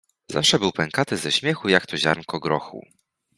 Zawsze był pękaty ze śmiechu jak to ziarnko grochu.